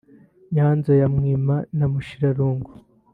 Nyanza ya Mwima na Mushirarungu